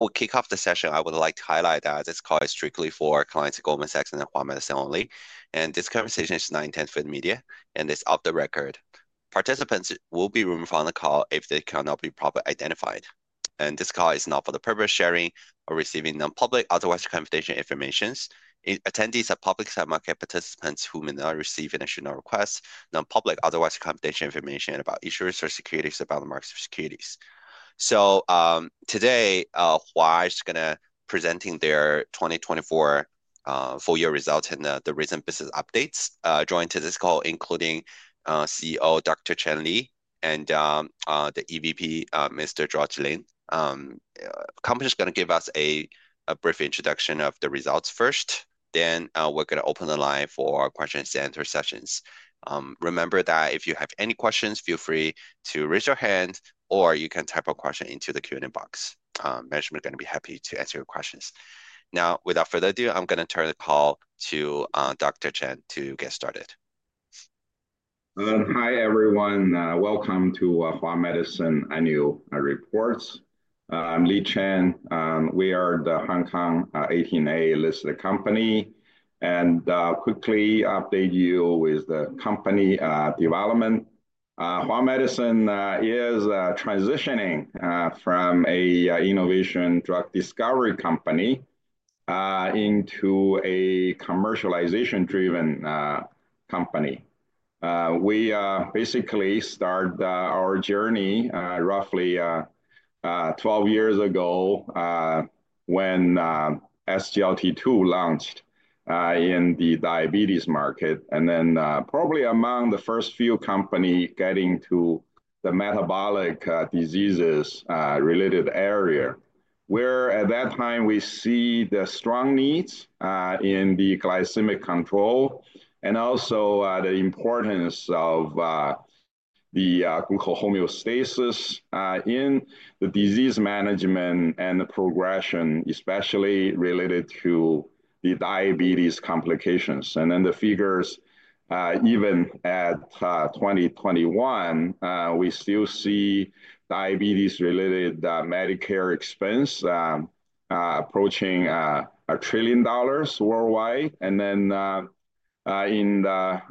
We'll kick off the session. I would like to highlight that this call is strictly for clients of Goldman Sachs and Hua Medicine only, and this conversation is not intended for the media, and it's off the record. Participants will be removed from the call if they cannot be properly identified. This call is not for the purpose of sharing or receiving non-public, otherwise confidential information. Attendees are public-side market participants who may not receive additional requests, non-public, otherwise confidential information about issues or securities about the market securities. Today, Hua Medicine is going to be presenting their 2024 full-year results and the recent business updates. Joining this call, including CEO Dr. Li Chen and the EVP, Mr. George Lin. The company is going to give us a brief introduction of the results first. We are going to open the line for questions and answer sessions. Remember that if you have any questions, feel free to raise your hand, or you can type a question into the Q&A box. Management is going to be happy to answer your questions. Now, without further ado, I'm going to turn the call to Dr. Li Chen to get started. Hi, everyone. Welcome to Hua Medicine Annual Reports. I'm Li Chen. We are the Hong Kong 18A listed company. Quickly update you with the company development. Hua Medicine is transitioning from an innovation drug discovery company into a commercialization-driven company. We basically started our journey roughly 12 years ago when SGLT2 launched in the diabetes market, and probably among the first few companies getting to the metabolic diseases-related area, where at that time we see the strong needs in the glycemic control and also the importance of the glucose homeostasis in the disease management and the progression, especially related to the diabetes complications. The figures, even at 2021, we still see diabetes-related Medicare expense approaching $1 trillion worldwide. In the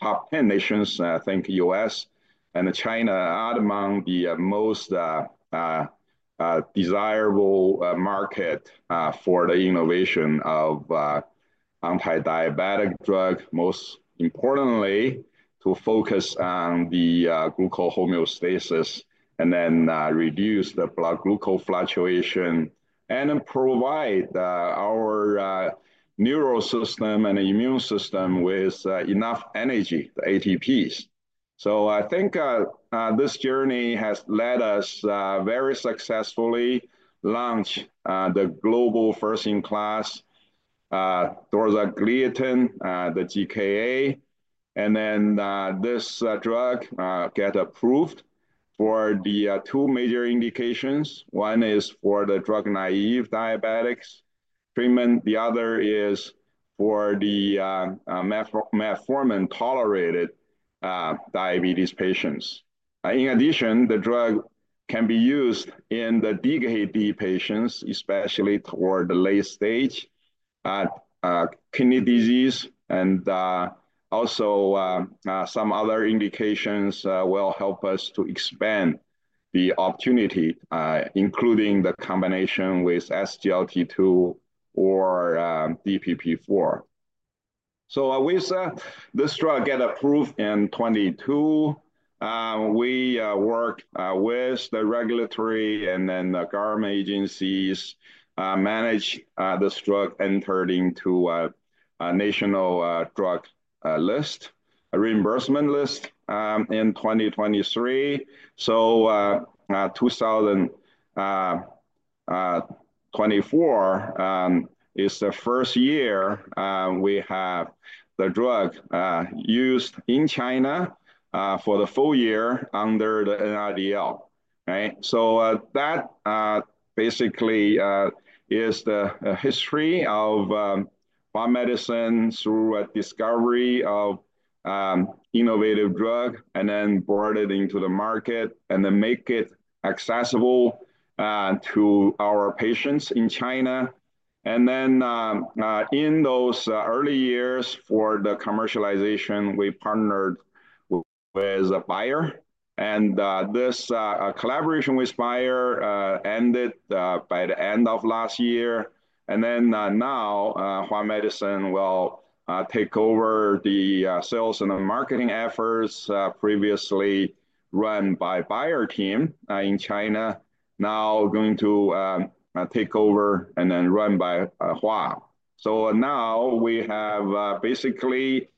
top 10 nations, I think US and China are among the most desirable market for the innovation of antidiabetic drugs. Most importantly, to focus on the glucose homeostasis and then reduce the blood glucose fluctuation and provide our neural system and immune system with enough energy, the ATPs. I think this journey has led us very successfully to launch the global first-in-class, dorzagliatin, the GKA. This drug got approved for the two major indications. One is for the drug-naive diabetics treatment. The other is for the metformin-tolerated diabetes patients. In addition, the drug can be used in the DKD patients, especially toward the late stage kidney disease. Also some other indications will help us to expand the opportunity, including the combination with SGLT2 or DPP-4. This drug got approved in 2022. We worked with the regulatory and then the government agencies to manage the drug entered into a national drug list, a reimbursement list in 2023. 2024 is the first year we have the drug used in China for the full year under the NRDL. That basically is the history of Hua Medicine through a discovery of an innovative drug and then brought it into the market and then made it accessible to our patients in China. In those early years for the commercialization, we partnered with Bayer. This collaboration with Bayer ended by the end of last year. Now Hua Medicine will take over the sales and the marketing efforts previously run by the Bayer team in China, now going to take over and then run by Hua. Now we have basically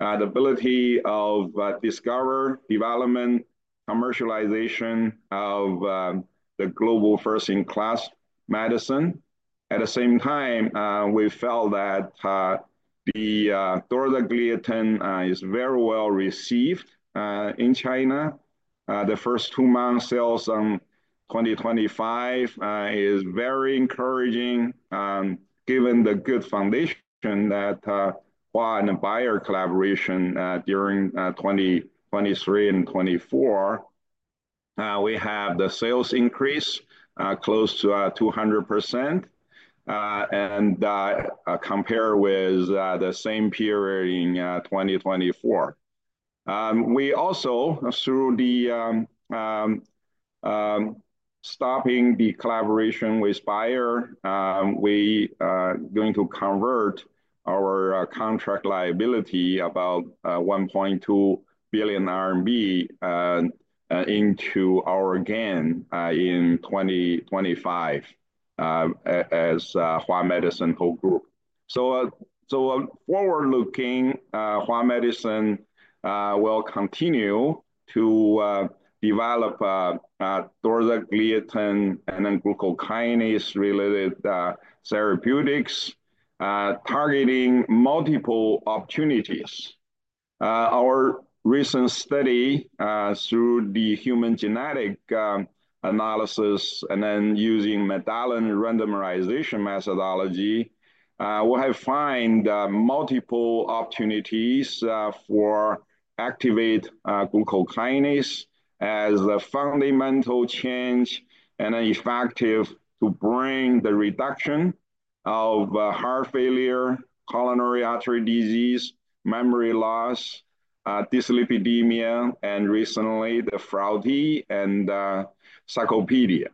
the ability of discovery, development, commercialization of the Global first-in-class medicine. At the same time, we felt that the dorzagliatin is very well received in China. The first two months' sales in 2025 are very encouraging given the good foundation that Hua and Bayer collaborated on during 2023 and 2024. We have the sales increase close to 200% and compared with the same period in 2024. We also, through stopping the collaboration with Bayer, we are going to convert our contract liability of about 1.2 billion RMB into our gain in 2025 as Hua Medicine whole group. Forward-looking, Hua Medicine will continue to develop dorzagliatin and then Glucokinase-related therapeutics targeting multiple opportunities. Our recent study through the human genetic analysis and then using Mendelian Randomization methodology, we have found multiple opportunities for activating glucokinase as a fundamental change and then effective to bring the reduction of heart failure, coronary artery disease, memory loss, dyslipidemia, and recently the frailty and sarcopenia.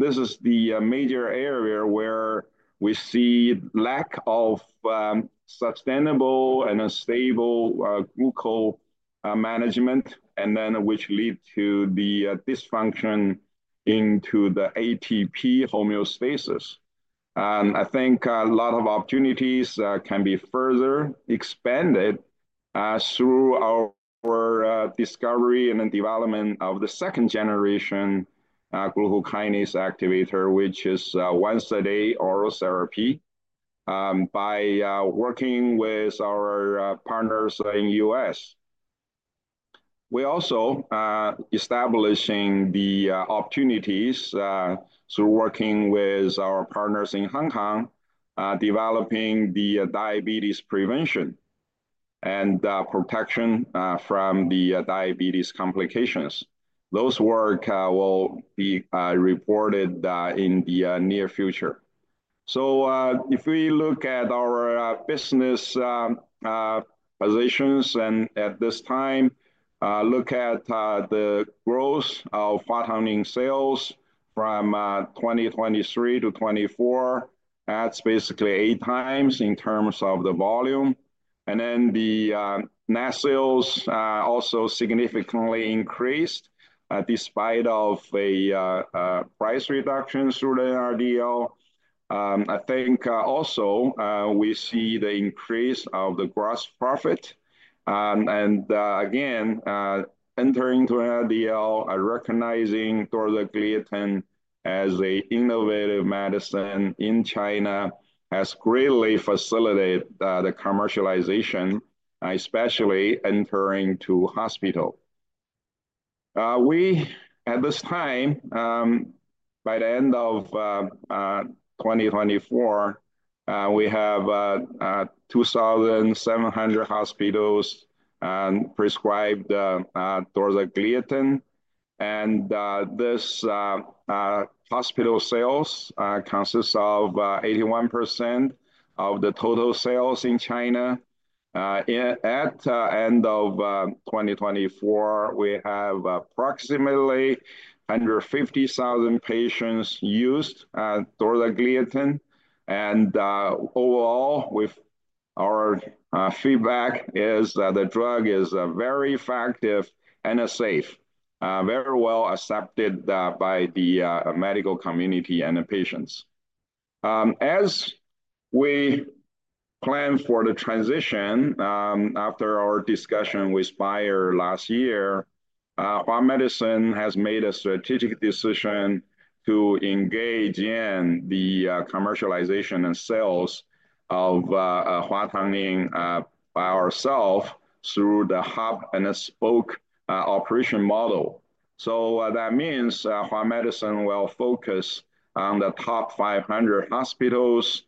This is the major area where we see a lack of sustainable and stable glucose management, which leads to the dysfunction into the ATP homeostasis. I think a lot of opportunities can be further expanded through our discovery and development of the second-generation glucokinase activator, which is once-a-day oral therapy by working with our partners in the US. We are also establishing the opportunities through working with our partners in Hong Kong, developing the diabetes prevention and protection from the diabetes complications. Those work will be reported in the near future. If we look at our business positions, and at this time, look at the growth of HuaTangNing sales from 2023 to 2024, that is basically eight times in terms of the volume. The net sales also significantly increased despite a price reduction through the NRDL. I think also we see the increase of the gross profit. Again, entering into NRDL, recognizing dorzagliatin as an innovative medicine in China has greatly facilitated the commercialization, especially entering into hospitals. At this time, by the end of 2024, we have 2,700 hospitals prescribed dorzagliatin. This hospital sales consist of 81% of the total sales in China. At the end of 2024, we have approximately 150,000 patients used dorzagliatin. Overall, our feedback is that the drug is very effective and safe, very well accepted by the medical community and the patients. As we plan for the transition, after our discussion with Bayer last year, Hua Medicine has made a strategic decision to engage in the commercialization and sales of HuaTangNing by ourselves through the hub and spoke operation model. That means Hua Medicine will focus on the top 500 hospitals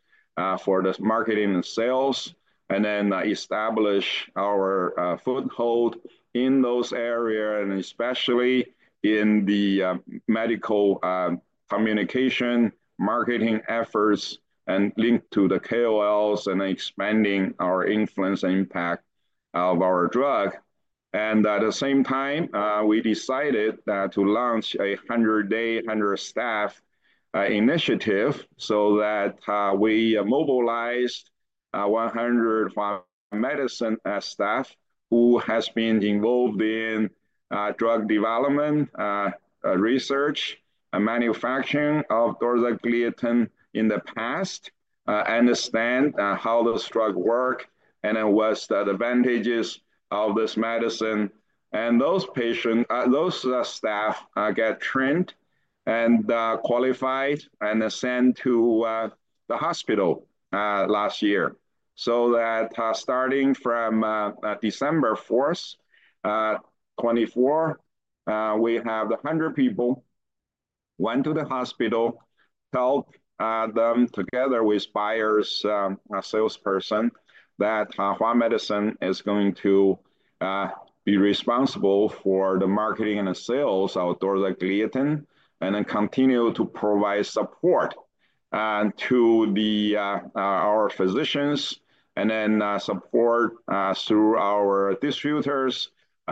for the marketing and sales, and then establish our foothold in those areas, especially in the medical communication marketing efforts linked to the KOLs and expanding our influence and impact of our drug. At the same time, we decided to launch a 100-day, 100-staff initiative so that we mobilized 100 Hua Medicine staff who have been involved in drug development, research, and manufacturing of dorzagliatin in the past, understand how this drug works, and then what is the advantage of this medicine. Those staff got trained and qualified and sent to the hospital last year. Starting from 4 December 2024, we have 100 people, went to the hospital, helped them together with Bayer's salesperson that Hua Medicine is going to be responsible for the marketing and sales of dorzagliatin, and then continue to provide support to our physicians, and then support through our distributors,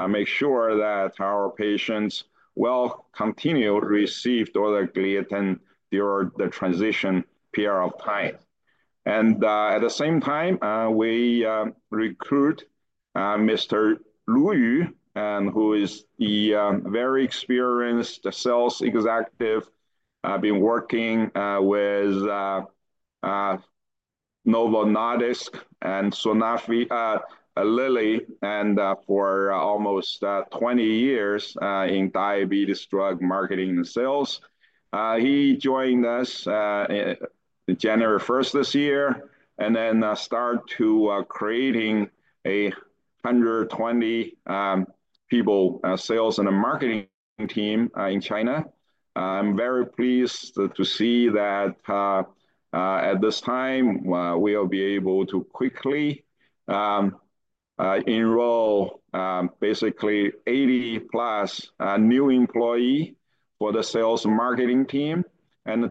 make sure that our patients will continue to receive dorzagliatin during the transition period of time. At the same time, we recruit Mr. Lu Yu, who is a very experienced sales executive, been working with Novo Nordisk and Lilly for almost 20 years in diabetes drug marketing and sales. He joined us 1 January this year and then started creating a 120-people sales and marketing team in China. I'm very pleased to see that at this time, we'll be able to quickly enroll basically 80+ new employees for the sales and marketing team.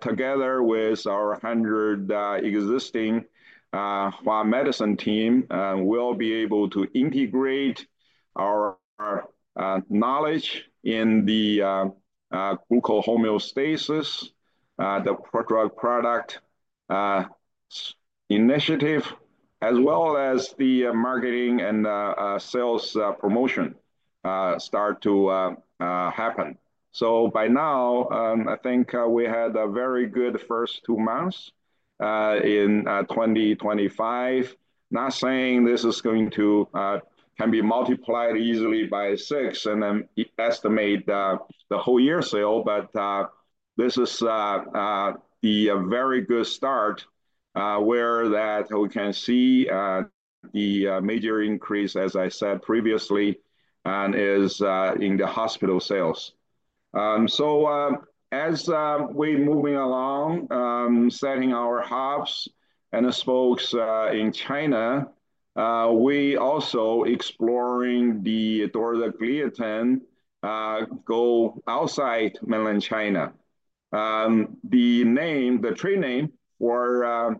Together with our 100 existing Hua Medicine team, we'll be able to integrate our knowledge in the glucose homeostasis, the drug product initiative, as well as the marketing and sales promotion start to happen. By now, I think we had a very good first two months in 2025. Not saying this is going to can be multiplied easily by six and then estimate the whole year sale, but this is a very good start where we can see the major increase, as I said previously, and is in the hospital sales. As we're moving along, setting our hubs and spokes in China, we're also exploring the dorzagliatin go outside mainland China. The name, the trade name for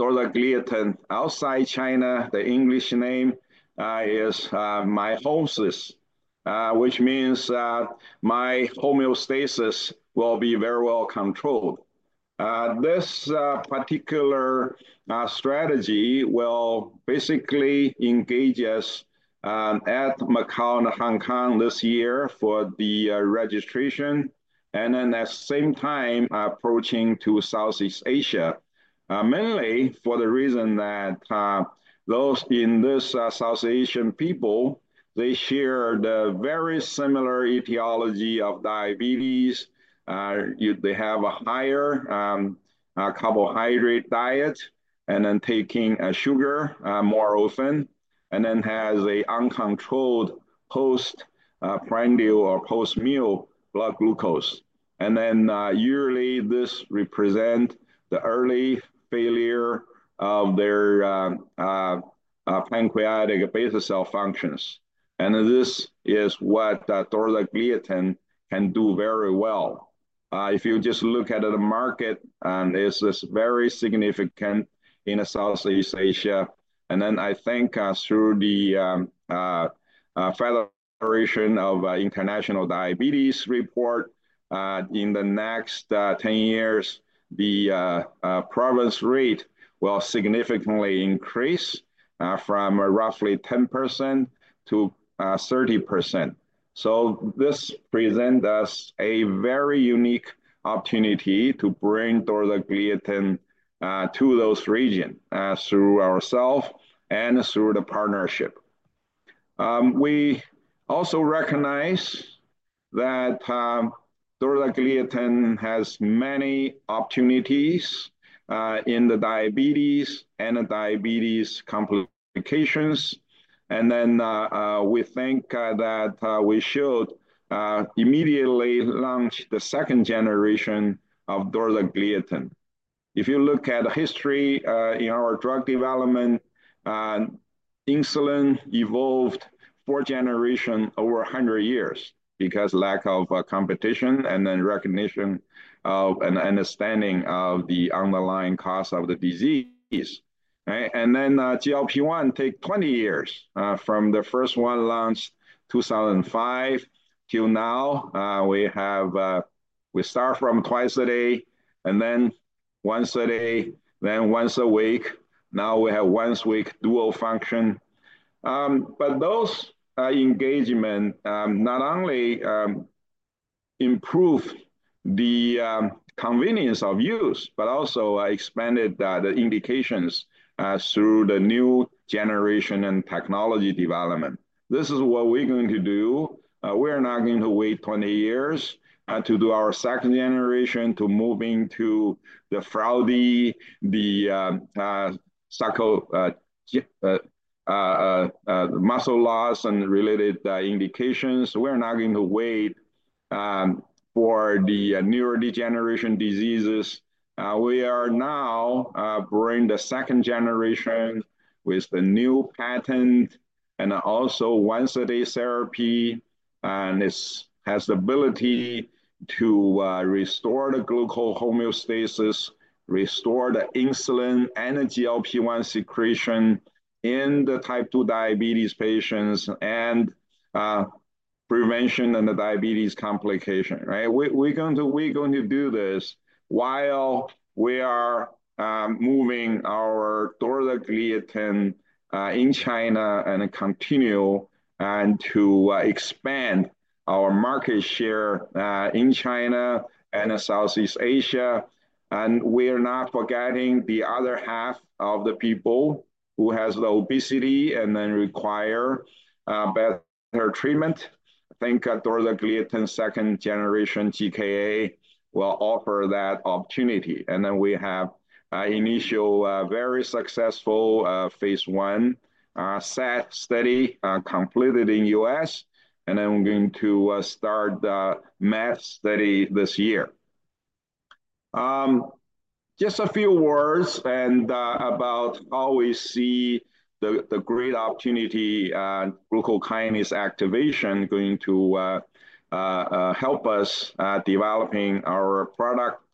dorzagliatin outside China, the English name is MYHOMSIS, which means Myo-homeostasis will be very well controlled. This particular strategy will basically engage us at Macau and Hong Kong this year for the registration, and at the same time, approaching to Southeast Asia, mainly for the reason that those in this Southeast Asian people, they share the very similar etiology of diabetes. They have a higher carbohydrate diet and then taking sugar more often, and then have an uncontrolled postprandial or post-meal blood glucose. Yearly, this represents the early failure of their pancreatic beta cell functions. This is what dorzagliatin can do very well. If you just look at the market, it's very significant in Southeast Asia. I think through the Federation of International Diabetes report, in the next 10 years, the prevalence rate will significantly increase from roughly 10% to 30%. This presents us a very unique opportunity to bring dorzagliatin to those regions through ourselves and through the partnership. We also recognize that dorzagliatin has many opportunities in the diabetes and diabetes complications. Then we think that we should immediately launch the 2nd generation of dorzagliatin. If you look at the history in our drug development, insulin evolved four generations over 100 years because of lack of competition and then recognition of and understanding of the underlying cause of the disease. Then GLP-1 takes 20 years from the first one launched 2005 till now. We start from twice a day, then once a day, then once a week. Now we have once-a-week dual function. Those engagements not only improved the convenience of use, but also expanded the indications through the new generation and technology development. This is what we're going to do. We're not going to wait 20 years to do our 2nd-generation to move into the frailty, the muscle loss, and related indications. We're not going to wait for the neurodegeneration diseases. We are now bringing the 2nd-generation with the new patent and also once-a-day therapy, and it has the ability to restore the glucose homeostasis, restore the insulin and the GLP-1 secretion in the type 2 diabetes patients, and prevention and the diabetes complication. We're going to do this while we are moving our dorzagliatin in China and continue to expand our market share in China and Southeast Asia. We're not forgetting the other half of the people who have the obesity and then require better treatment. I think dorzagliatin second generation GKA will offer that opportunity. We have initial very successful phase I study completed in the US, and then we're going to start the MAD study this year. Just a few words about how we see the great opportunity glucokinase activation going to help us developing our product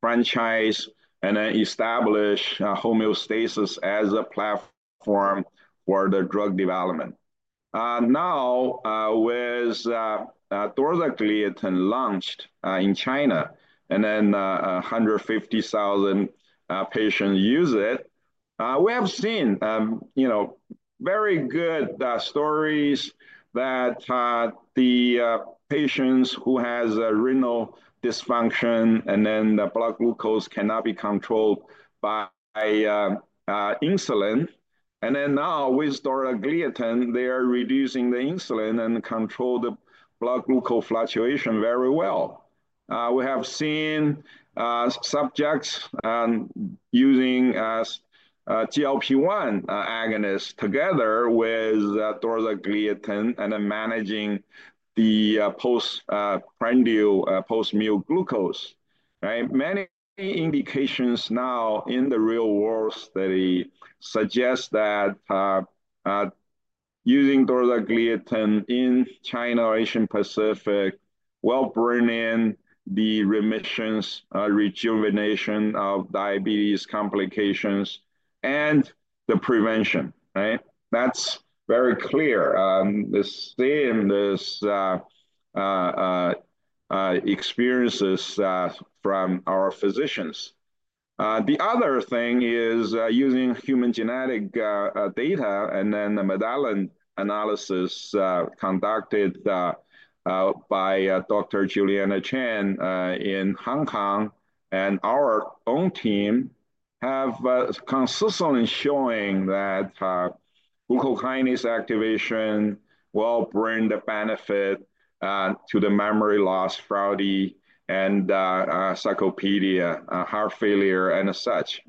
franchise and then establish homeostasis as a platform for the drug development. Now with dorzagliatin launched in China and then 150,000 patients use it, we have seen very good stories that the patients who have renal dysfunction and then the blood glucose cannot be controlled by insulin. Now with dorzagliatin, they are reducing the insulin and control the blood glucose fluctuation very well. We have seen subjects using GLP-1 agonists together with dorzagliatin and then managing the postprandial, post-meal glucose. Many indications now in the real world study suggest that using dorzagliatin in China or Asia Pacific will bring in the remissions, rejuvenation of diabetes complications and the prevention. That's very clear. This is seeing these experiences from our physicians. The other thing is using human genetic data and then the Mendelian analysis conducted by Dr. Juliana Chan in Hong Kong and our own team have consistently shown that glucokinase activation will bring the benefit to the memory loss, frailty, and sarcopenia, heart failure, and such.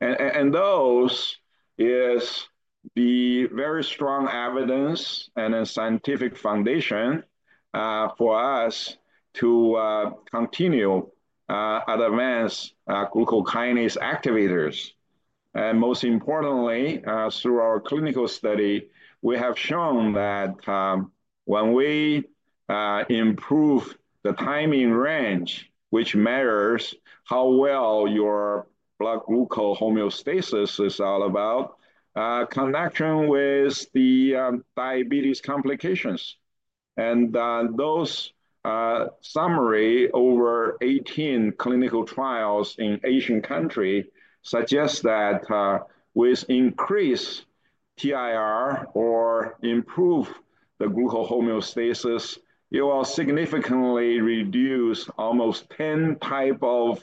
Those is the very strong evidence and scientific foundation for us to continue advance glucokinase activators. Most importantly, through our clinical study, we have shown that when we improve the time in range, which measures how well your blood glucose homeostasis is all about, connection with the diabetes complications. Those summary over 18 clinical trials in Asian countries suggests that with increased TIR or Improved glucose homeostasis, it will significantly reduce almost 10 types of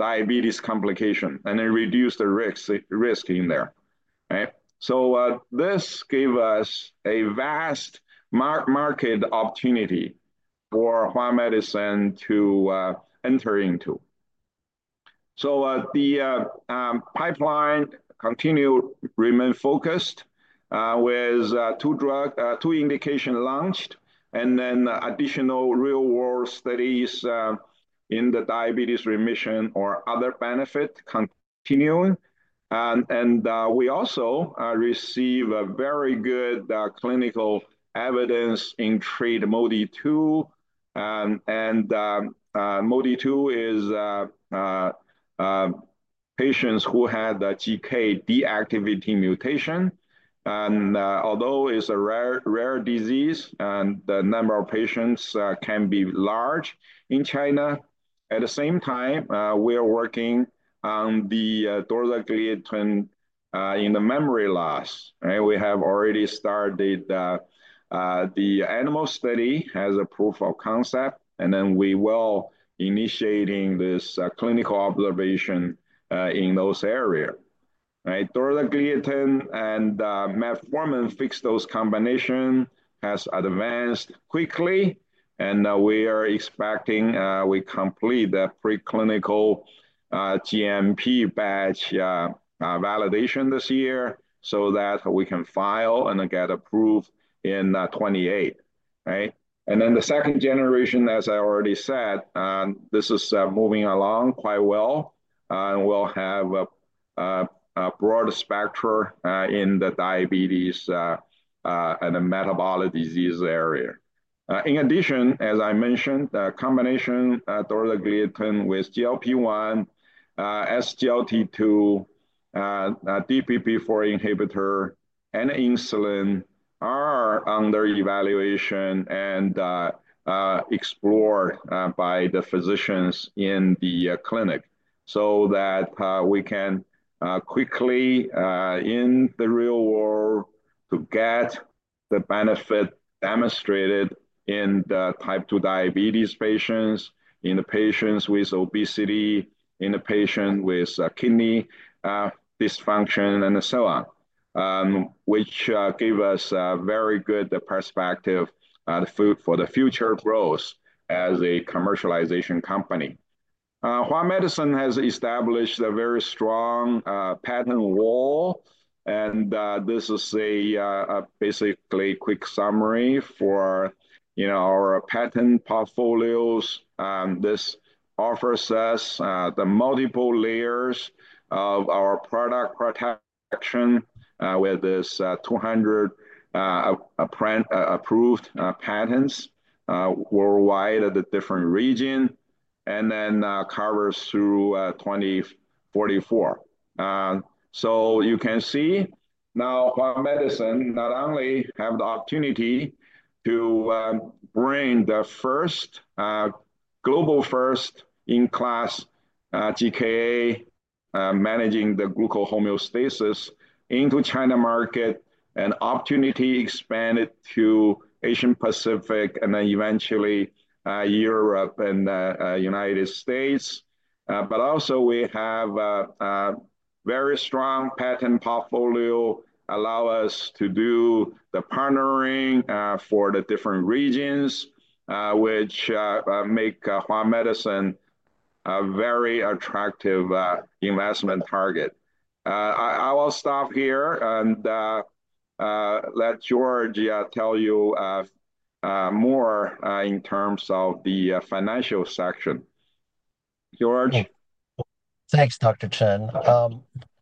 diabetes complications and then reduce the risk in there. This gave us a vast market opportunity for Hua Medicine to enter into. The pipeline continue to remain focused with two indications launched and then additional real-world studies in the diabetes remission or other benefit continuing. We also receive very good clinical evidence in treating MODY2. MODY2 is patients who had the GK deactivating mutation. Although it's a rare disease and the number of patients can be large in China, at the same time, we are working on the dorzagliatin in the memory loss. We have already started the animal study as a proof of concept, and then we will initiate this clinical observation in those areas. dorzagliatin and metformin Fixed-Dose Combination has advanced quickly, and we are expecting we complete the preclinical GMP batch validation this year so that we can file and get approved in 2028. The 2nd-generation, as I already said, this is moving along quite well and will have a broad spectrum in the diabetes and the metabolic disease area. In addition, as I mentioned, the combination dorzagliatin with GLP-1, SGLT2, DPP-4 inhibitor, and insulin are under evaluation and explored by the physicians in the clinic so that we can quickly in the real world to get the benefit demonstrated in the type 2 diabetes patients, in the patients with obesity, in the patient with kidney dysfunction, and so on, which gave us a very good perspective for the future growth as a commercialization company. Hua Medicine has established a very strong patent wall, and this is basically a quick summary for our patent portfolios. This offers us the multiple layers of our product protection with this 200 approved patents worldwide at the different region and then covers through 2044. You can see now Hua Medicine not only has the opportunity to bring the first global first in class GKA managing the glucose homeostasis into China market and opportunity expanded to Asian Pacific and then eventually Europe and the United States. We also have a very strong patent portfolio allowing us to do the partnering for the different regions, which make Hua Medicine a very attractive investment target. I will stop here and let George tell you more in terms of the financial section. George. Thanks, Dr. Chen.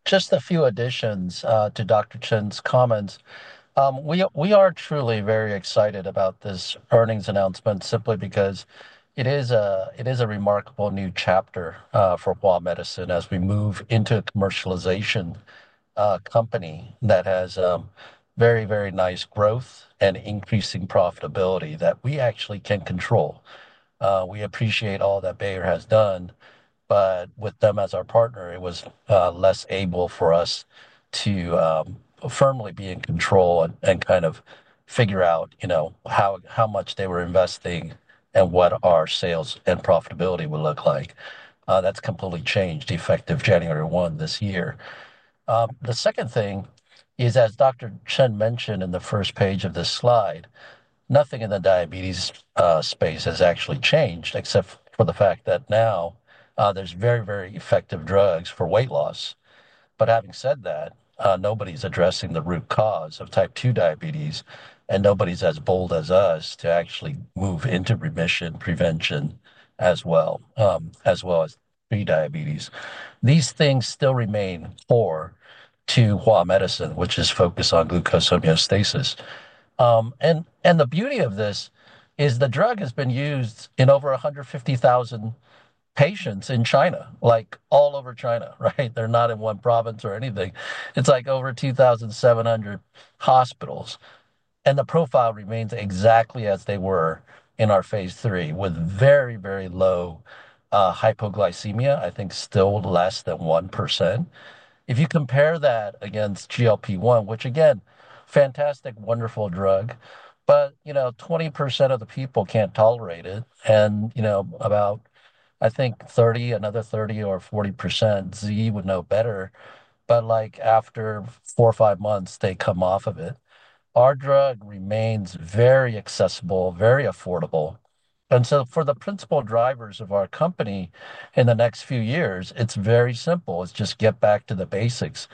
Just a few additions to Dr. Chen's comments. We are truly very excited about this earnings announcement simply because it is a remarkable new chapter for Hua Medicine as we move into a commercialization company that has very, very nice growth and increasing profitability that we actually can control. We appreciate all that Bayer has done, but with them as our partner, it was less able for us to firmly be in control and kind of figure out how much they were investing and what our sales and profitability would look like. That has completely changed effective 1 January this year. The second thing is, as Dr. Chen mentioned in the first page of this slide, nothing in the diabetes space has actually changed except for the fact that now there are very, very effective drugs for weight loss. Having said that, nobody's addressing the root cause of type 2 diabetes, and nobody's as bold as us to actually move into remission prevention as well as prediabetes. These things still remain core to Hua Medicine, which is focused on glucose homeostasis. The beauty of this is the drug has been used in over 150,000 patients in China, like all over China. They're not in one province or anything. It's like over 2,700 hospitals. The profile remains exactly as they were in our phase three with very, very low hypoglycemia, I think still less than 1%. If you compare that against GLP-1, which again, fantastic, wonderful drug, but 20% of the people can't tolerate it. About, I think, 30%, another 30% or 40%, Ziyi would know better. After four or five months, they come off of it. Our drug remains very accessible, very affordable. For the principal drivers of our company in the next few years, it's very simple. It's just get back to the basics,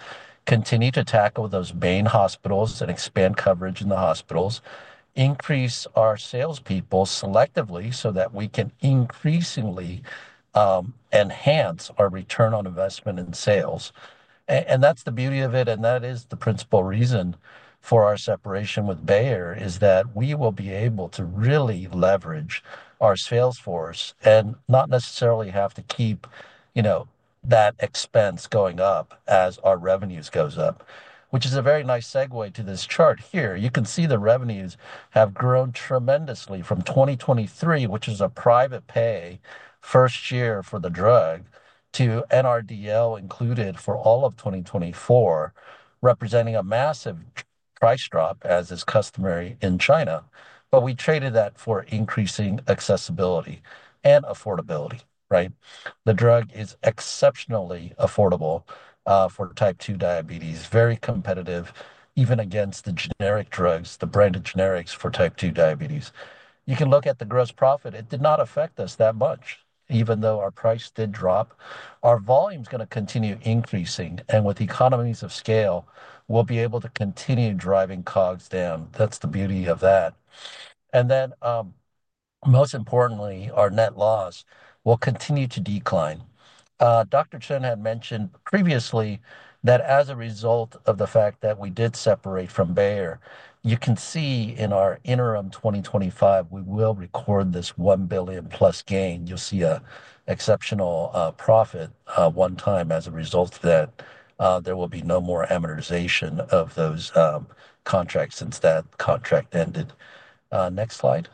continue to tackle those main hospitals and expand coverage in the hospitals, increase our salespeople selectively so that we can increasingly enhance our return on investment in sales. That's the beauty of it. That is the principal reason for our separation with Bayer is that we will be able to really leverage our salesforce and not necessarily have to keep that expense going up as our revenues go up, which is a very nice segue to this chart here. You can see the revenues have grown tremendously from 2023, which is a private pay first year for the drug, to NRDL included for all of 2024, representing a massive price drop as is customary in China. We traded that for increasing accessibility and affordability. The drug is exceptionally affordable for type 2 diabetes, very competitive even against the generic drugs, the branded generics for type 2 diabetes. You can look at the gross profit. It did not affect us that much, even though our price did drop. Our volume is going to continue increasing. With economies of scale, we'll be able to continue driving COGS down. That is the beauty of that. Most importantly, our net loss will continue to decline. Dr. Chen had mentioned previously that as a result of the fact that we did separate from Bayer, you can see in our interim 2025, we will record this 1+ billion gain. You will see an exceptional profit one time as a result of that. There will be no more amortization of those contracts since that contract ended. Next slide.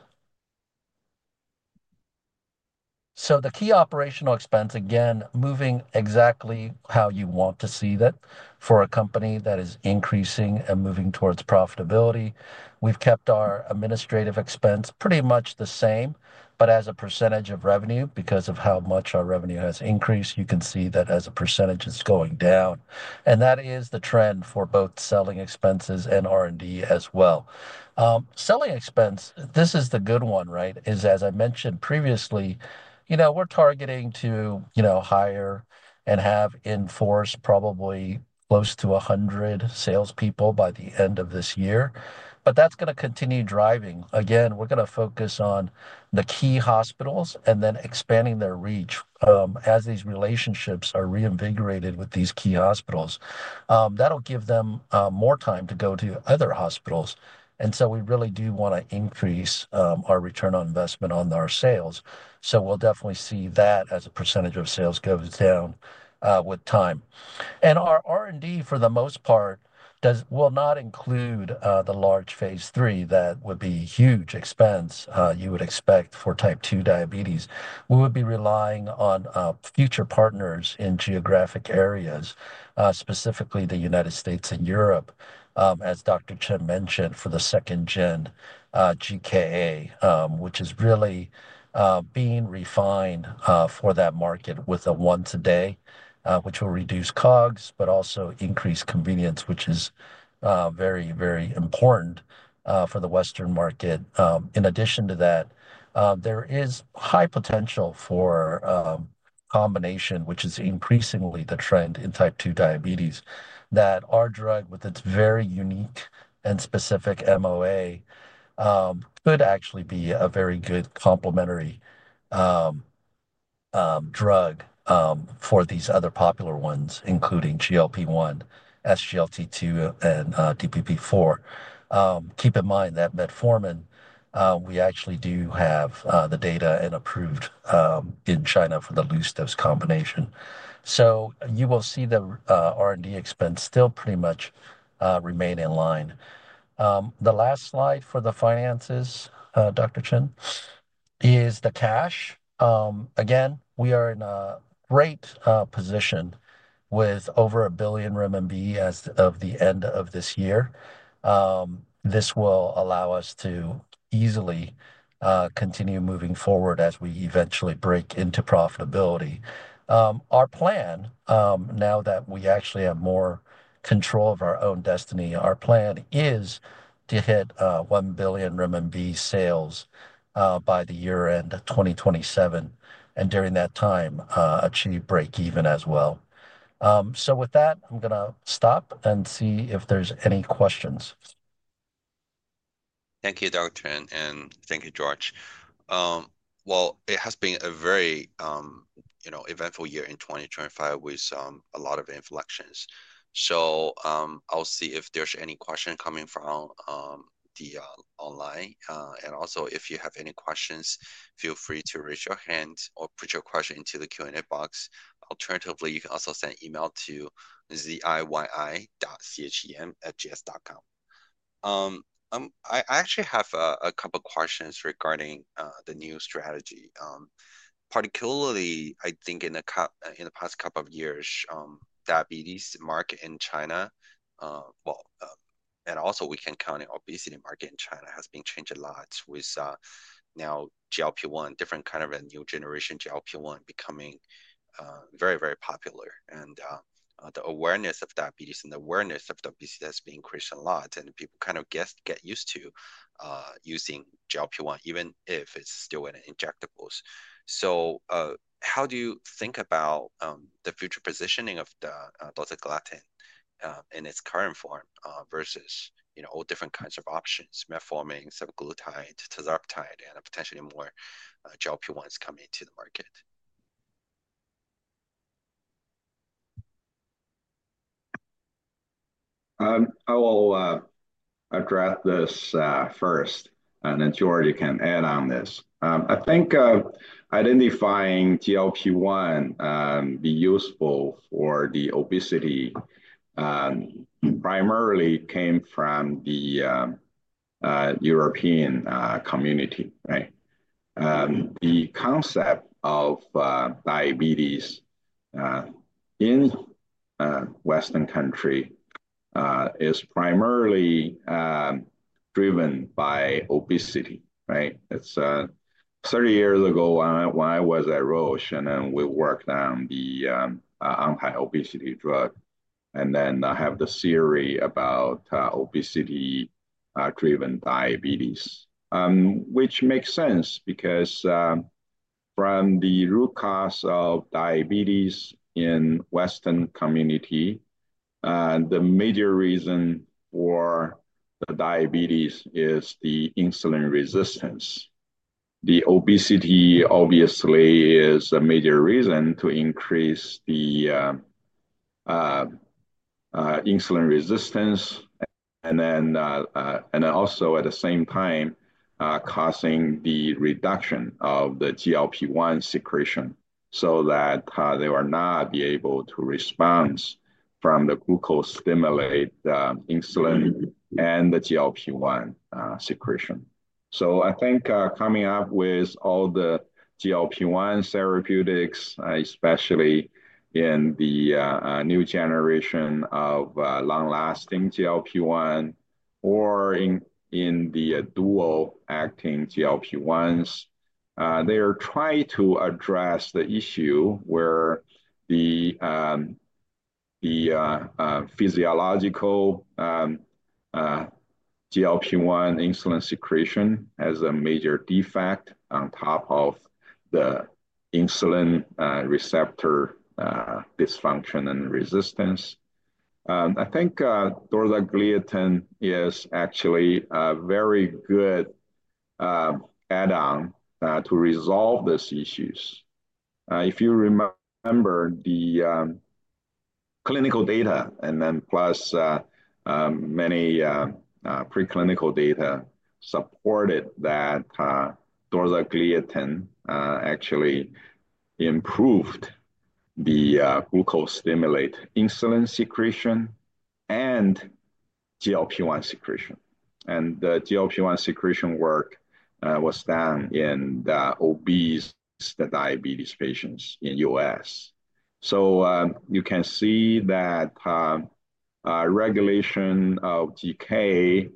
The key operational expense, again, moving exactly how you want to see that for a company that is increasing and moving towards profitability. We have kept our administrative expense pretty much the same, but as a percentage of revenue, because of how much our revenue has increased, you can see that as a percentage, it is going down. That is the trend for both selling expenses and R&D as well. Selling expense, this is the good one, is as I mentioned previously, we are targeting to hire and have in force probably close to 100 salespeople by the end of this year. That is going to continue driving. Again, we are going to focus on the key hospitals and then expanding their reach as these relationships are reinvigorated with these key hospitals. That will give them more time to go to other hospitals. We really do want to increase our return on investment on our sales. We will definitely see that as a percentage of sales goes down with time. Our R&D, for the most part, will not include the large phase three that would be a huge expense you would expect for type 2 diabetes. We would be relying on future partners in geographic areas, specifically the United States and Europe, as Dr. Li Chen mentioned for the 2nd-generation GKA, which is really being refined for that market with a once-daily, which will reduce COGS, but also increase convenience, which is very, very important for the Western market. In addition to that, there is high potential for combination, which is increasingly the trend in type 2 diabetes, that our drug with its very unique and specific MOA could actually be a very good complementary drug for these other popular ones, including GLP-1, SGLT2, and DPP-4. Keep in mind that metformin, we actually do have the data and approved in China for the loose dose combination. You will see the R&D expense still pretty much remain in line. The last slide for the finances, Dr. Chen, is the cash. Again, we are in a great position with over 1 billion RMB as of the end of this year. This will allow us to easily continue moving forward as we eventually break into profitability. Our plan, now that we actually have more control of our own destiny, our plan is to hit 1 billion renminbi sales by the year end of 2027 and during that time achieve break even as well. With that, I'm going to stop and see if there's any questions. Thank you, Dr. Li Chen, and thank you, George Lin. It has been a very eventful year in 2025 with a lot of inflections. I'll see if there are any questions coming from the online. If you have any questions, feel free to raise your hand or put your question into the Q&A box. Alternatively, you can also send an email to ziyi.chen@gs.com. I actually have a couple of questions regarding the new strategy. Particularly, I think in the past couple of years, the diabetes market in China, and also we can count on the obesity market in China, has been changed a lot with now GLP-1, different kind of a new generation GLP-1 becoming very, very popular. The awareness of diabetes and the awareness of obesity has been increased a lot, and people kind of get used to using GLP-1, even if it's still in injectables. How do you think about the future positioning of dorzagliatin in its current form versus all different kinds of options, metformin, semaglutide, tirzepatide, and potentially more GLP-1s coming to the market? I will address this first, and then George can add on this. I think identifying GLP-1 be useful for the obesity primarily came from the European community. The concept of diabetes in Western countries is primarily driven by obesity. It's 30 years ago when I was at Roche and then we worked on the anti-obesity drug. I have the theory about obesity-driven diabetes, which makes sense because from the root cause of diabetes in the Western community, the major reason for the diabetes is the insulin resistance. The obesity obviously is a major reason to increase the insulin resistance and also at the same time causing the reduction of the GLP-1 secretion so that they will not be able to respond from the glucose-stimulated insulin and the GLP-1 secretion. I think coming up with all the GLP-1 therapeutics, especially in the new generation of long-lasting GLP-1 or in the dual-acting GLP-1s, they are trying to address the issue where the physiological GLP-1 insulin secretion has a major defect on top of the insulin receptor dysfunction and resistance. I think dorzagliatin is actually a very good add-on to resolve these issues. If you remember the clinical data and then plus many preclinical data supported that dorzagliatin actually improved the glucose-stimulated insulin secretion and GLP-1 secretion. The GLP-1 secretion work was done in the obese diabetes patients in the US. You can see that regulation of GK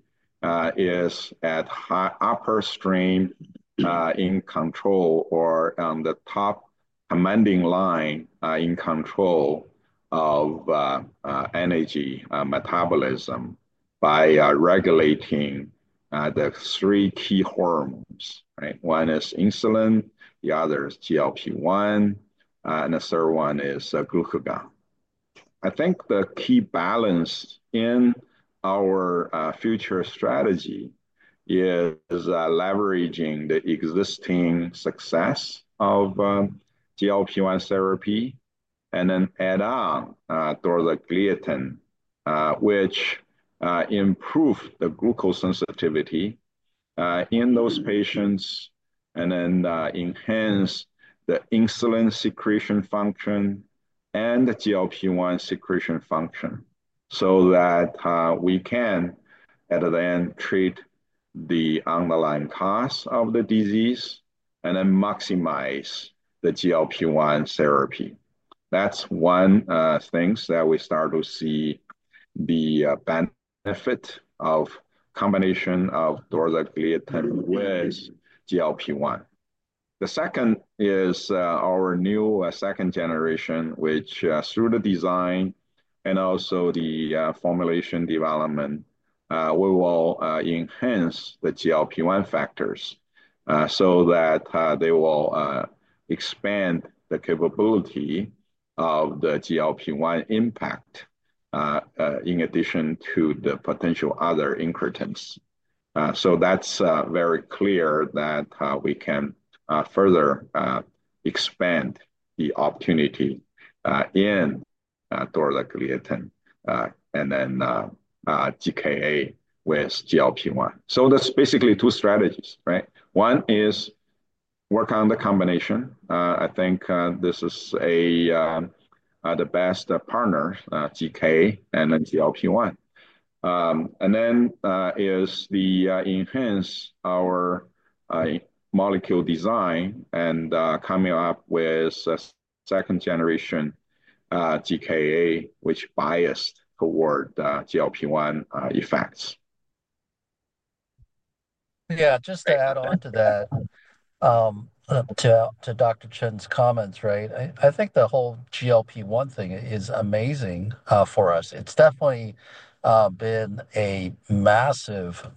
is at upper stream in control or on the top commanding line in control of energy metabolism by regulating the three key hormones. One is insulin, the other is GLP-1, and the third one is glucagon. I think the key balance in our future strategy is leveraging the existing success of GLP-1 therapy and then add on dorzagliatin, which improves the glucose sensitivity in those patients and then enhance the insulin secretion function and the GLP-1 secretion function so that we can at the end treat the underlying cause of the disease and then maximize the GLP-1 therapy. That's one thing that we start to see the benefit of combination of dorzagliatin with GLP-1. The second is our new second generation, which through the design and also the formulation development, we will enhance the GLP-1 factors so that they will expand the capability of the GLP-1 impact in addition to the potential other inheritance. That is very clear that we can further expand the opportunity in dorzagliatin and then GKA with GLP-1. That is basically two strategies. One is work on the combination. I think this is the best partner, GKA and then GLP-1. Then is the enhance our molecule design and coming up with a second generation GKA, which biased toward GLP-1 effects. Yeah, just to add on to that, to Dr. Chen's comments, I think the whole GLP-1 thing is amazing for us. It's definitely been a massive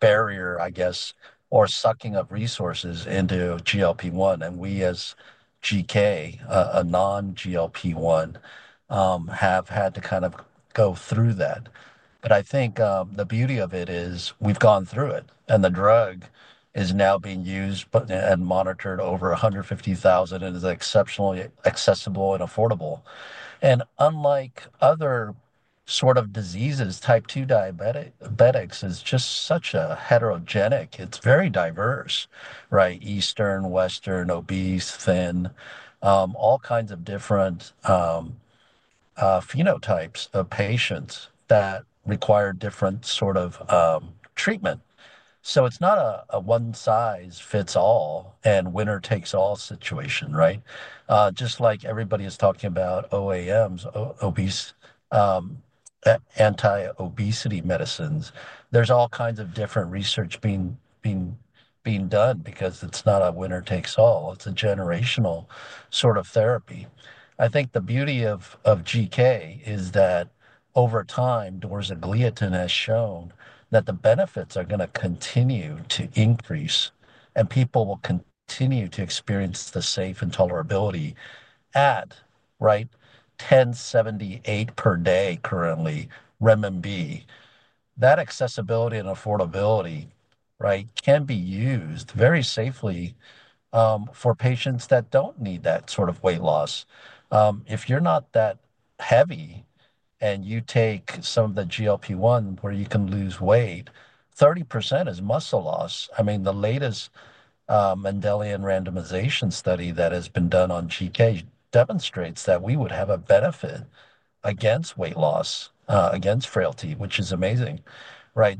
barrier, I guess, or sucking of resources into GLP-1. We as GKA, a non-GLP-1, have had to kind of go through that. I think the beauty of it is we've gone through it and the drug is now being used and monitored over 150,000 and is exceptionally accessible and affordable. Unlike other sort of diseases, type 2 diabetics is just such a heterogenic. It's very diverse, Eastern, Western, obese, thin, all kinds of different phenotypes of patients that require different sort of treatment. It's not a one-size-fits-all and winner takes all situation. Just like everybody is talking about OAMs, Obese Anti-Obesity Medicines, there's all kinds of different research being done because it's not a winner takes all. It's a generational sort of therapy. I think the beauty of GK is that over time, dorzagliatin has shown that the benefits are going to continue to increase and people will continue to experience the safe intolerability at 1,078 per day currently. That accessibility and affordability can be used very safely for patients that don't need that sort of weight loss. If you're not that heavy and you take some of the GLP-1 where you can lose weight, 30% is muscle loss. I mean, the latest Mendelian Randomization study that has been done on GK demonstrates that we would have a benefit against weight loss, against frailty, which is amazing.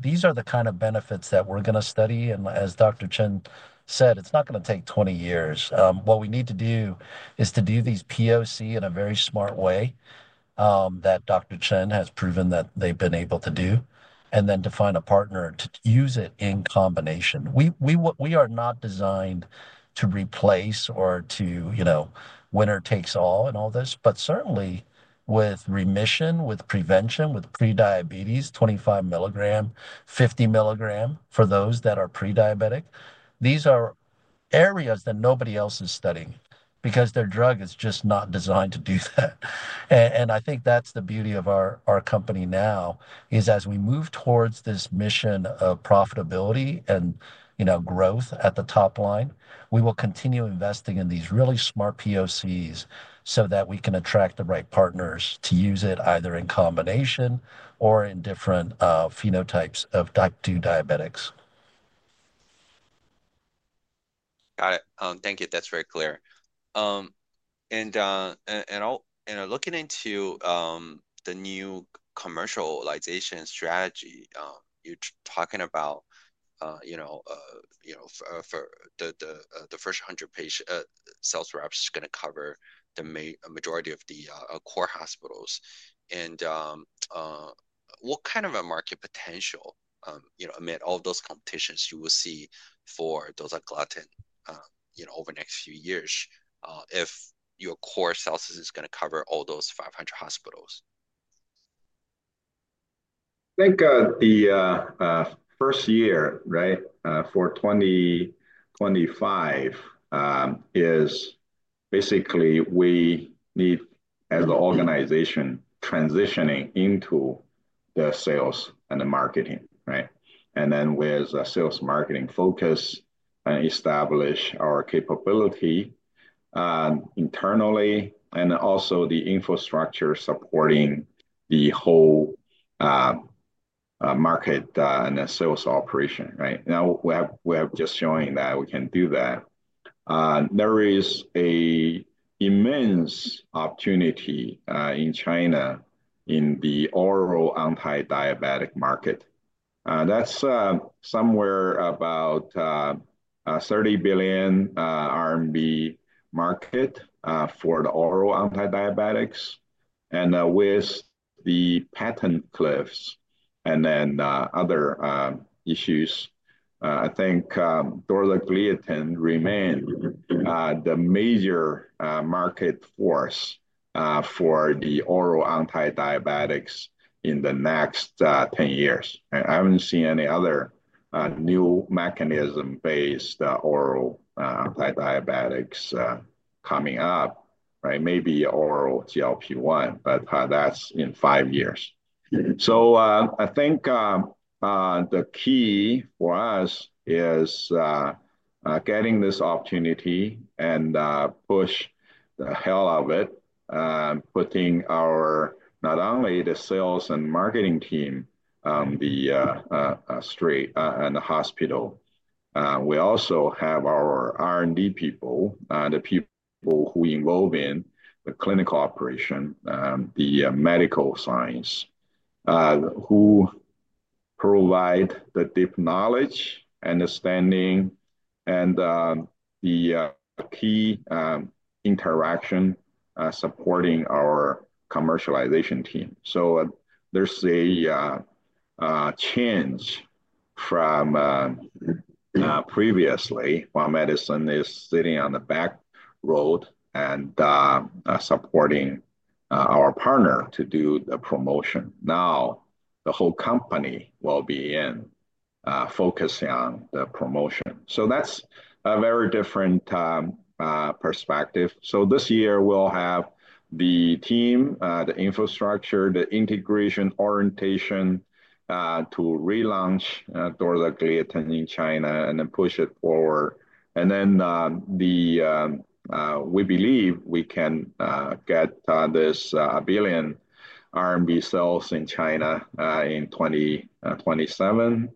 These are the kind of benefits that we're going to study. As Dr. Li Chen said, it's not going to take 20 years. What we need to do is to do these POC in a very smart way that Dr. Chen has proven that they've been able to do and then to find a partner to use it in combination. We are not designed to replace or to winner takes all and all this, but certainly with remission, with prevention, with prediabetes, 25 milligram, 50 milligram for those that are prediabetic. These are areas that nobody else is studying because their drug is just not designed to do that. I think that's the beauty of our company now is as we move towards this mission of profitability and growth at the top line, we will continue investing in these really smart POCs so that we can attract the right partners to use it either in combination or in different phenotypes of type 2 diabetics. Got it. Thank you. That's very clear. Looking into the new commercialization strategy you're talking about, the first 100 sales reps is going to cover the majority of the core hospitals. What kind of a market potential amid all those competitions do you see for dorzagliatin over the next few years if your core sales is going to cover all those 500 hospitals? I think the first year for 2025 is basically we need as an organization transitioning into the sales and the marketing. Then with a sales marketing focus and establish our capability internally and also the infrastructure supporting the whole market and the sales operation. Now we have just shown that we can do that. There is an immense opportunity in China in the oral antidiabetic market. That is somewhere about 30 billion RMB market for the oral antidiabetics. With the patent cliffs and then other issues, I think dorzagliatin remains the major market force for the oral antidiabetics in the next 10 years. I have not seen any other new mechanism-based oral antidiabetics coming up, maybe oral GLP-1, but that is in five years. I think the key for us is getting this opportunity and push the hell of it, putting our not only the sales and marketing team straight in the hospital. We also have our R&D people, the people who involve in the clinical operation, the medical science, who provide the deep knowledge, understanding, and the key interaction supporting our commercialization team. There is a change from previously while Hua Medicine is sitting on the back road and supporting our partner to do the promotion. Now the whole company will be in focusing on the promotion. That is a very different perspective. This year we'll have the team, the infrastructure, the integration orientation to relaunch dorzagliatin in China and then push it forward. We believe we can get this 1 billion RMB sales in China in 2027.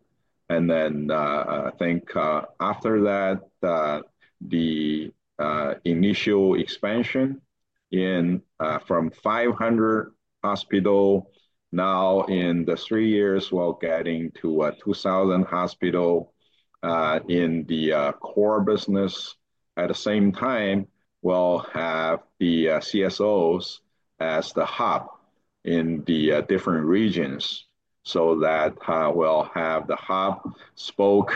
I think after that, the initial expansion from 500 hospitals, now in the three years, we'll get into 2,000 hospitals in the core business. At the same time, we'll have the CSOs as the hub in the different regions so that we'll have the hub spoke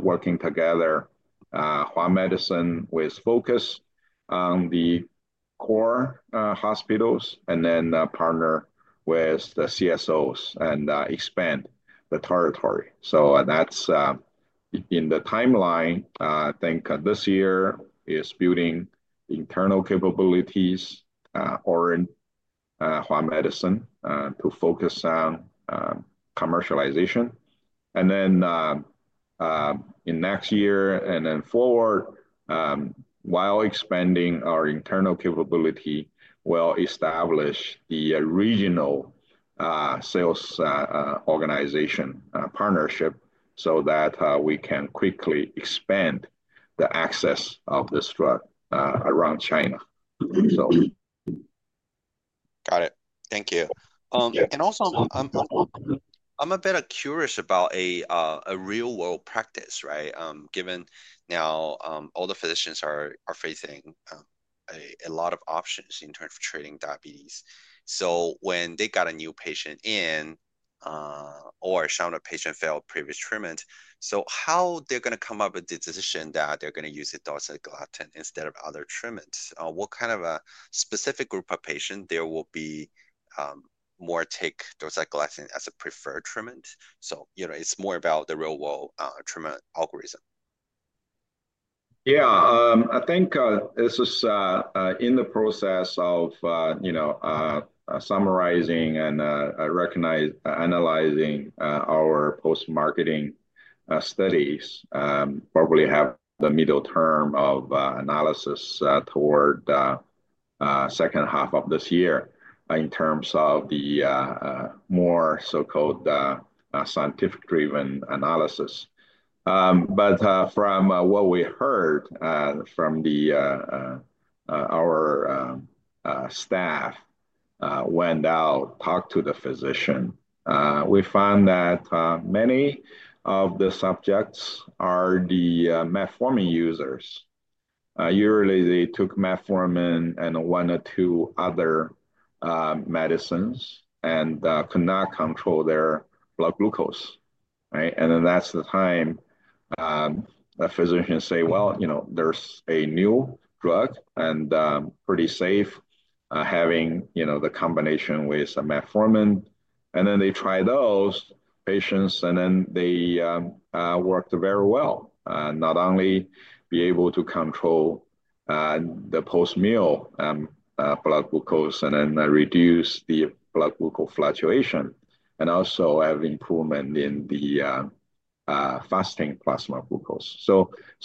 working together while Hua Medicine with focus on the core hospitals and then partner with the CSOs and expand the territory. In the timeline, I think this year is building internal capabilities, Hua Medicine to focus on commercialization. In next year and then forward, while expanding our internal capability, we'll establish the regional sales organization partnership so that we can quickly expand the access of this drug around China. Got it. Thank you. I'm a bit curious about a real-world practice, given now all the physicians are facing a lot of options in terms of treating diabetes. When they get a new patient in or some of the patients failed previous treatment, how are they going to come up with a decision that they're going to use dorzagliatin instead of other treatments? What kind of a specific group of patients will be more likely to take dorzagliatin as a preferred treatment? It's more about the real-world treatment algorithm. Yeah. I think this is in the process of summarizing and analyzing our post-marketing studies. Probably have the middle term of analysis toward the second half of this year in terms of the more so-called scientific-driven analysis. From what we heard from our staff who went out, talked to the physician, we found that many of the subjects are the metformin users. Usually, they took metformin and one or two other medicines and could not control their blood glucose. That is the time the physicians say, "Well, there's a new drug and pretty safe having the combination with metformin." They try those patients and then they worked very well. Not only be able to control the post-meal blood glucose and then reduce the blood glucose fluctuation and also have improvement in the fasting plasma glucose.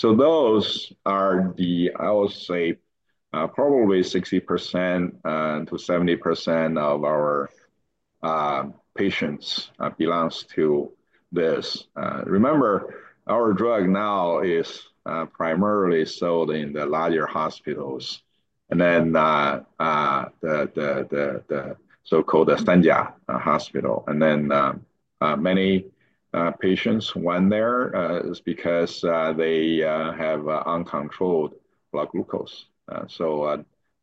Those are the, I would say, probably 60% to 70% of our patients belongs to this. Remember, our drug now is primarily sold in the larger hospitals and then the so-called The San Jia Hospital. Many patients went there because they have uncontrolled blood glucose. The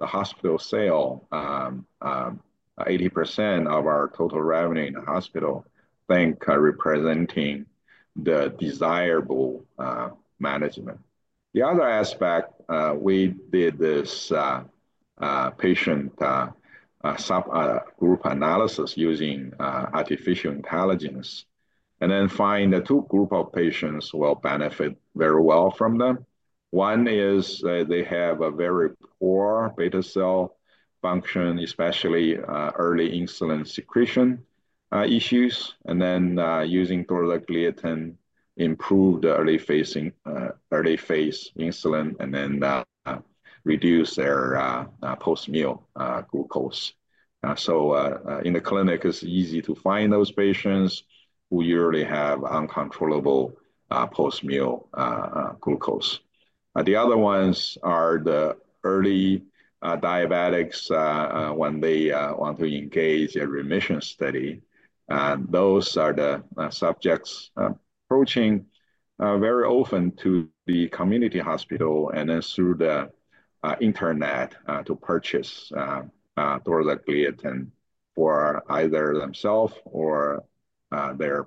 hospital sale is 80% of our total revenue in the hospital, I think representing the desirable management. The other aspect, we did this patient group analysis using Artificial Intelligence and then find the two group of patients will benefit very well from them. One is they have a very poor beta cell function, especially early insulin secretion issues. Using dorzagliatin improved early phase insulin and then reduce their post-meal glucose. In the clinic, it is easy to find those patients who usually have uncontrollable post-meal glucose. The other ones are the early diabetics when they want to engage in remission study. Those are the subjects approaching very often to the community hospital and then through the internet to purchase dorzagliatin for either themselves or their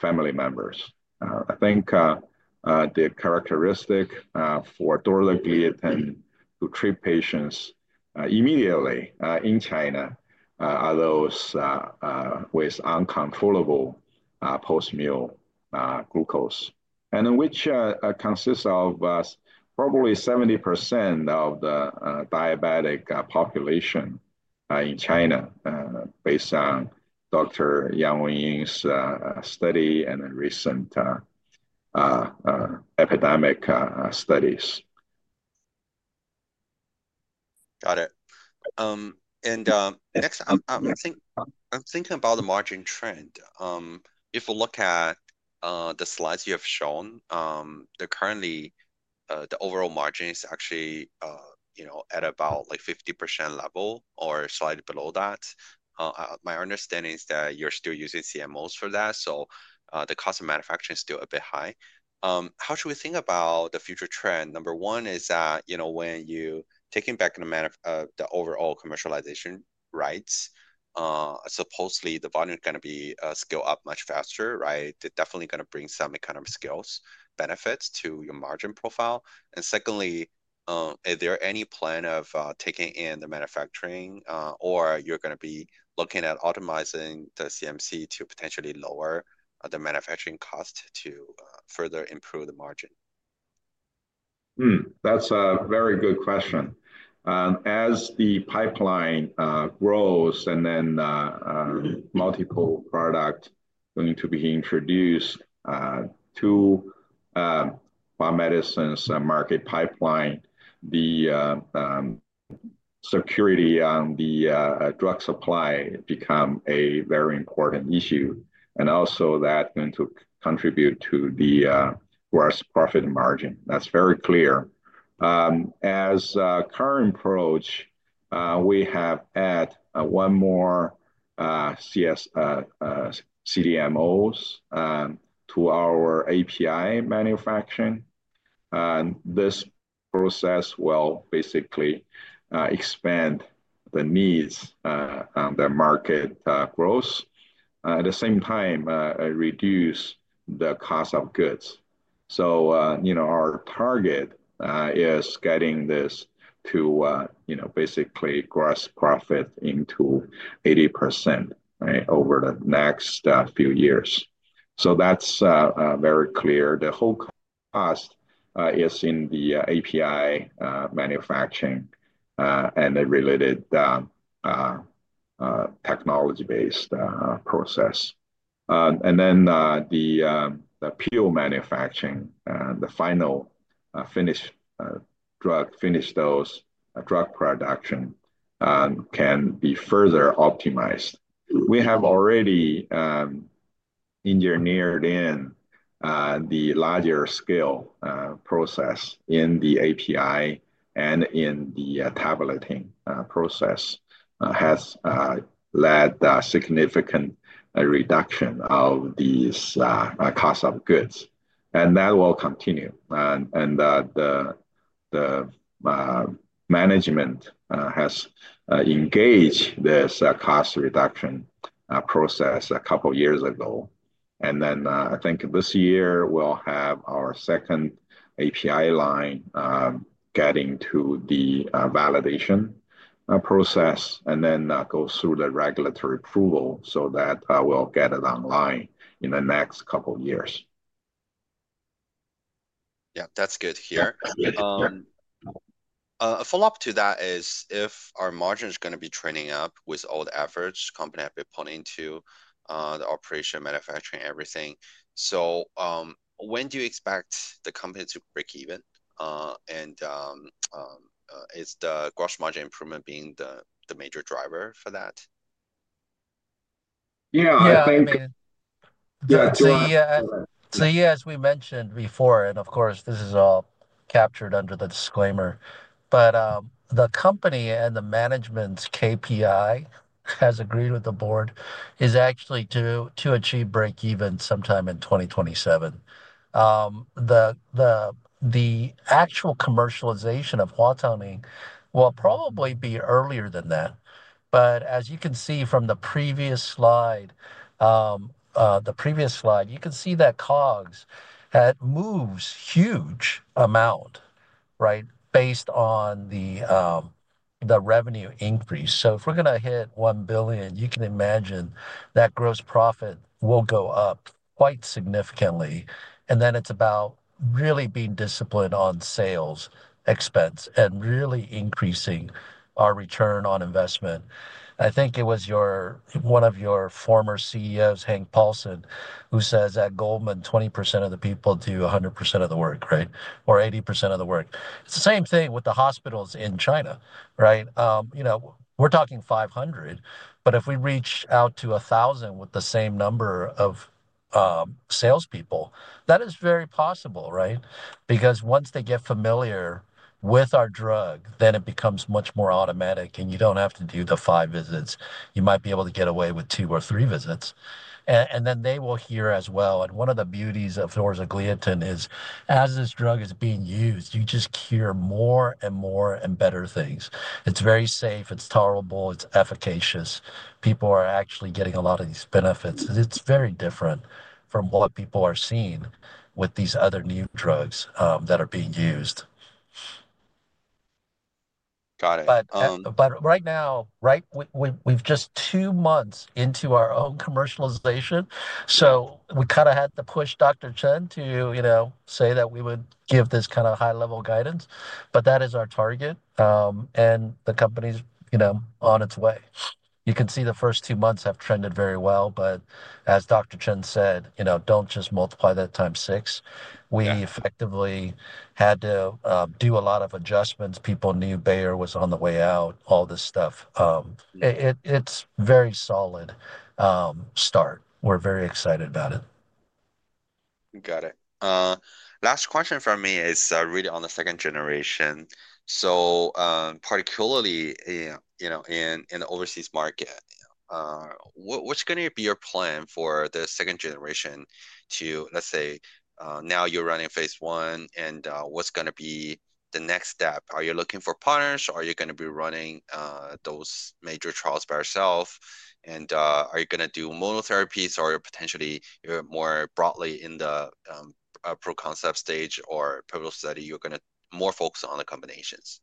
family members. I think the characteristic for dorzagliatin to treat patients immediately in China are those with uncontrollable Post-meal glucose, which consists of probably 70% of the diabetic population in China based on Dr. Yang Wenying's study and then recent epidemic studies. Got it. Next, I'm thinking about the margin trend. If we look at the slides you have shown, currently the overall margin is actually at about 50% level or slightly below that. My understanding is that you're still using CMOs for that. The cost of manufacturing is still a bit high. How should we think about the future trend? Number one is that when you're taking back the overall commercialization rights, supposedly the volume is going to be scaled up much faster. They're definitely going to bring some economic scale benefits to your margin profile. Secondly, is there any plan of taking in the manufacturing or are you going to be looking at optimizing the CMC to potentially lower the manufacturing cost to further improve the margin? That's a very good question. As the pipeline grows and then multiple products going to be introduced to Hua Medicine's market pipeline, the security on the drug supply becomes a very important issue. Also, that's going to contribute to the gross profit margin. That's very clear. As current approach, we have added one more CDMOs to our API manufacturing. This process will basically expand the needs on the market growth. At the same time, it reduces the cost of goods. Our target is getting this to basically gross profit into 80% over the next few years. That's very clear. The whole cost is in the API manufacturing and the related technology-based process. Then the pure manufacturing, the final finished drug, finished dose drug production can be further optimized. We have already engineered in the larger scale process in the API and in the tabulating process has led to a significant reduction of these costs of goods. That will continue. The management has engaged this cost reduction process a couple of years ago. I think this year we'll have our second API line getting to the validation process and then go through the regulatory approval so that we'll get it online in the next couple of years. Yeah, that's good to hear. A follow-up to that is if our margin is going to be trading up with all the efforts the company has been putting into the operation, manufacturing, everything. When do you expect the company to break even? Is the gross margin improvement being the major driver for that? Yeah. Thank you. Yeah. Yes, we mentioned before, and of course, this is all captured under the disclaimer, but the company and the management's KPI as agreed with the board is actually to achieve break-even sometime in 2027. The actual commercialization of HuaTangNing will probably be earlier than that. As you can see from the previous slide, you can see that COGS had moved a huge amount based on the revenue increase. If we are going to hit 1 billion, you can imagine that gross profit will go up quite significantly. It is about really being disciplined on sales expense and really increasing our return on investment. I think it was one of your former CEOs, Hank Paulson, who says at Goldman Sachs, 20% of the people do 100% of the work or 80% of the work. It is the same thing with the hospitals in China. We're talking 500, but if we reach out to 1,000 with the same number of salespeople, that is very possible because once they get familiar with our drug, it becomes much more automatic and you do not have to do the five visits. You might be able to get away with two or three visits. They will hear as well. One of the beauties of dorzagliatin is as this drug is being used, you just hear more and more and better things. It is very safe. It is tolerable. It is efficacious. People are actually getting a lot of these benefits. It is very different from what people are seeing with these other new drugs that are being used. Got it. Right now, we're just two months into our own commercialization. We kind of had to push Dr. Chen to say that we would give this kind of high-level guidance, but that is our target. The company's on its way. You can see the first two months have trended very well. As Dr. Chen said, don't just multiply that times six. We effectively had to do a lot of adjustments. People knew Bayer was on the way out, all this stuff. It's a very solid start. We're very excited about it. Got it. Last question for me is really on the 2nd-generation. Particularly in the overseas market, what's going to be your plan for the second generation to, let's say, now you're running phase one and what's going to be the next step? Are you looking for partners or are you going to be running those major trials by yourself? Are you going to do monotherapies or potentially more broadly in the pro concept stage or pivotal study, you're going to more focus on the combinations?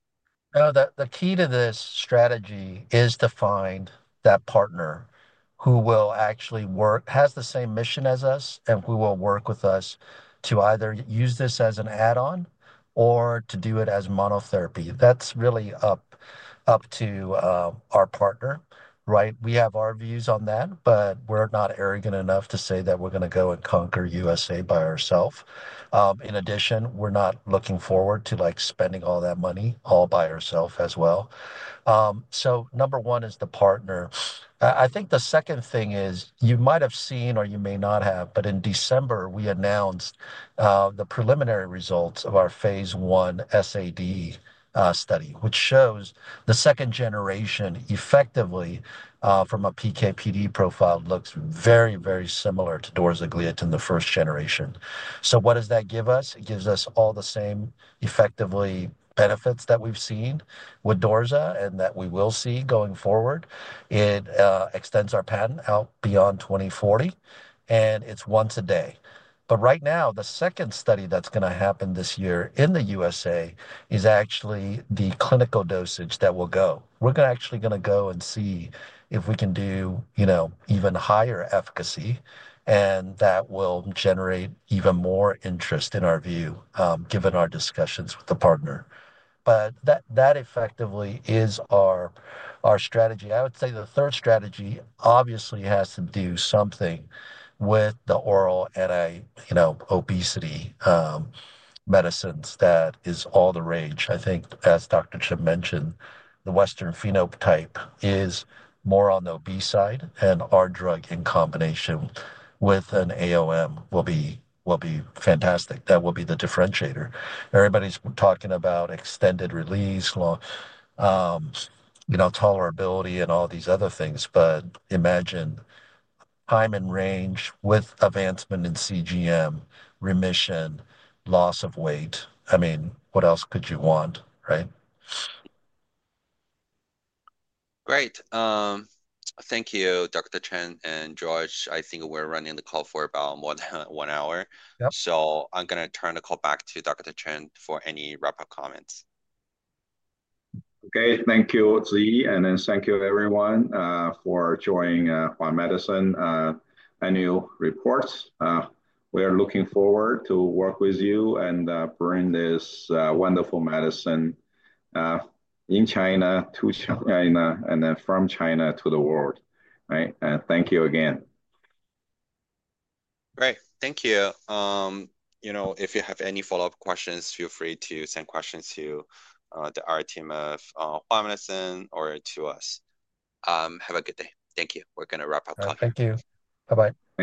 The key to this strategy is to find that partner who will actually work, has the same mission as us, and who will work with us to either use this as an add-on or to do it as monotherapy. That is really up to our partner. We have our views on that, but we are not arrogant enough to say that we are going to go and conquer the US by ourselves. In addition, we are not looking forward to spending all that money all by ourselves as well. Number one is the partner. I think the second thing is you might have seen or you may not have, but in December, we announced the preliminary results of our phase I SAD study, which shows the 2nd-generation effectively from a PKPD profile looks very, very similar to dorzagliatin in the 1st-generation. What does that give us? It gives us all the same effectively benefits that we've seen with Dosa and that we will see going forward. It extends our patent out beyond 2040. It is once a day. Right now, the second study that's going to happen this year in the US is actually the clinical dosage that will go. We're actually going to go and see if we can do even higher efficacy. That will generate even more interest in our view, given our discussions with the partner. That effectively is our strategy. I would say the third strategy obviously has to do something with the oral anti-obesity medicines that is all the rage. I think as Dr. Chen mentioned, the Western phenotype is more on the obesity side, and our drug in combination with an AOM will be fantastic. That will be the differentiator. Everybody's talking about extended release, tolerability, and all these other things. Imagine time in range with advancement in CGM, remission, loss of weight. I mean, what else could you want? Great. Thank you, Dr. Chen and George. I think we're running the call for about one hour. I am going to turn the call back to Dr. Chen for any wrap-up comments. Okay. Thank you, Ziyi, and thank you everyone for joining Hua Medicine annual reports. We are looking forward to working with you and bringing this wonderful medicine in China to China and then from China to the world. Thank you again. Great. Thank you. If you have any follow-up questions, feel free to send questions to our team of Hua Medicine or to us. Have a good day. Thank you. We're going to wrap up. Thank you. Bye-bye.